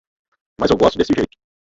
Mas eu gosto desse jeito.